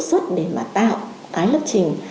xuất để mà tạo cái lập trình